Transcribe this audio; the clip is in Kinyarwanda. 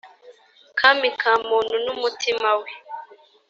kami kamuntu numutimawe.